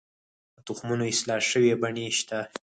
د تخمونو اصلاح شوې بڼې شته؟